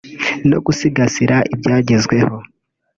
no gusigasira ibyagezweho